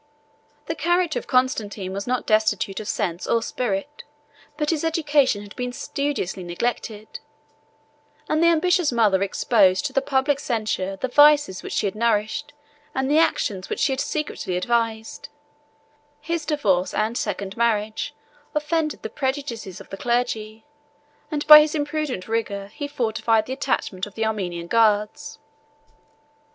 The character of Constantine was not destitute of sense or spirit; but his education had been studiously neglected; and the ambitious mother exposed to the public censure the vices which she had nourished, and the actions which she had secretly advised: his divorce and second marriage offended the prejudices of the clergy, and by his imprudent rigor he forfeited the attachment of the Armenian guards.